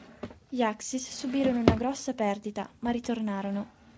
Gli Axis subirono una grossa perdita, ma ritornarono.